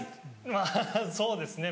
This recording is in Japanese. まぁそうですね